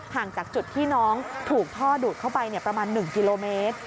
ห่างจากจุดที่น้องถูกท่อดูดเข้าไปประมาณ๑กิโลเมตร